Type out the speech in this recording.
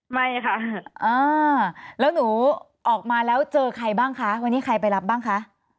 ไม่ค่ะแล้วหนูออกมาแล้วเจอใครบ้างคะวันนี้ใครไปรับบ้างคะ